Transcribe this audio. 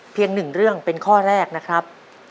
หนึ่งเรื่องเป็นข้อแรกนะครับ